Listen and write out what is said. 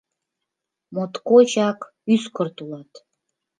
Моткочак ӱскырт улат.